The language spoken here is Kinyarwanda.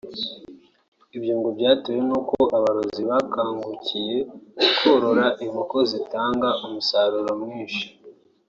Ibyo ngo byatewe n’uko aborozi bakangukiye korora inkoko zitanga umusaruro mwinshi